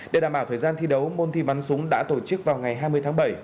để đảm bảo thời gian thi đấu môn thi bắn súng đã tổ chức vào ngày hai mươi tháng bảy